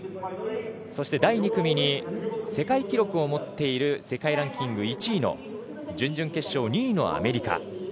そして第２組に世界記録を持っている世界ランキング１位の準々決勝２位のアメリカ。